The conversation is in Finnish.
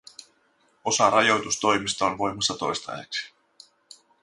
Osa rajoitustoimista on voimassa toistaiseksi.